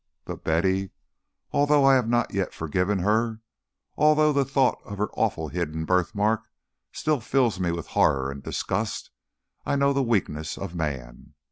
But, Betty, although I have not yet forgiven her, although the thought of her awful hidden birthmark still fills me with horror and disgust, I know the weakness of man.